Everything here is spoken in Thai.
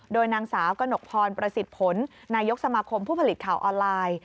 โดยนางสาวกระหนกพรประสิทธิ์ผลนายกสมาคมผู้ผลิตข่าวออนไลน์